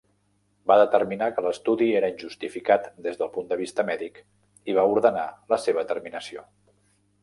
Va determinar que l'estudi era injustificat des del punt de vista mèdic i va ordenar la seva terminació.